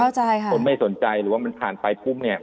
คนไม่สนใจหรือว่ามันผ่านไปปุ๊บเนี่ย